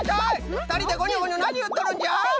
ふたりでごにょごにょなにいっとるんじゃ？